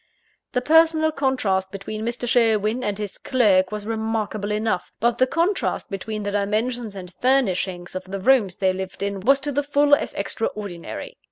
The personal contrast between Mr. Sherwin and his clerk was remarkable enough, but the contrast between the dimensions and furnishing of the rooms they lived in, was to the full as extraordinary.